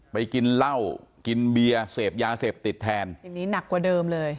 ไปกินเหล้ากินเบียร์เสพยาเสพติดแทนอย่างนี้หนักกว่าเดิมเลย